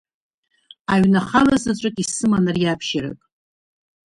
Аҩны ахала заҵәык исыман ариабжьарак.